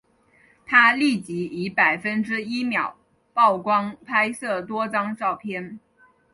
他立即以百分之一秒曝光拍摄多张照片。